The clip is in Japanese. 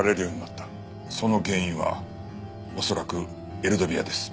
その原因は恐らくエルドビアです。